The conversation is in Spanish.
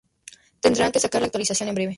Tendrán que sacar la actualización en breve.